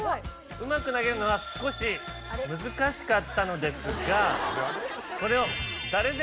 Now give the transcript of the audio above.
うまく投げるのは少し難しかったのですがそれを。